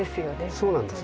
そうなんですね。